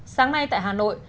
sáng nay tại hà nội